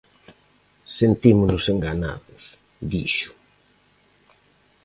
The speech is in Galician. "Sentímonos enganados", dixo.